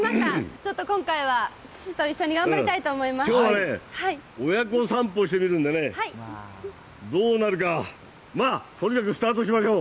ちょっと今回は、父と一緒に頑張きょうはね、親子散歩してみるんでね、どうなるか、まあ、とにかくスタートしましょう。